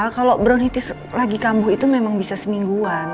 kalau brown hitties lagi kambuh itu memang bisa semingguan